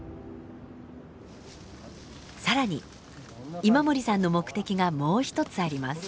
更に今森さんの目的がもう一つあります。